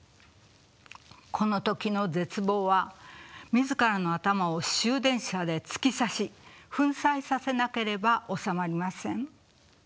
この時の絶望は自らの頭を終電車で突き刺しフンサイさせなければ収まりません。